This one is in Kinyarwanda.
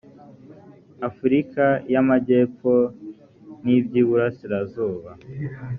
afurika y amajyepfo n iby iburasirazuba